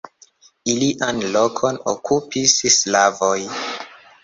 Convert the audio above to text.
Ilian lokon okupis slavoj.